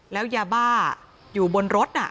แล้วยาบ้าอยู่บนรถน่ะ